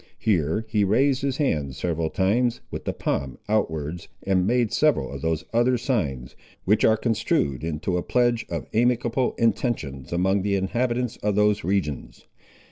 Here he raised his hand several times, with the palm outwards, and made several of those other signs, which are construed into a pledge of amicable intentions among the inhabitants of those regions.